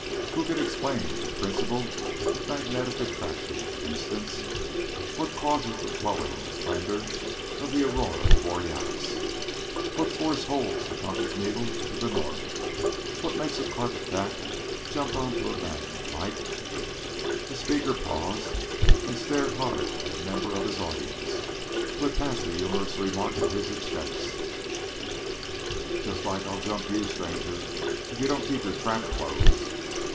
Who can explain the principle of magnetic attraction, for instance? What causes the glowing splendor of the Aurora Borealis? What force holds the compass needle to the north? What makes a carpet tack jump onto a magnet like" the speaker paused and stared hard at a member of his audience who had passed a humorous remark at his expense "just like I'll jump you, stranger, if you don't keep your trap closed.